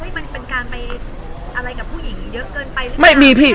มันเป็นการไปอะไรกับผู้หญิงเยอะเกินไปหรือเปล่า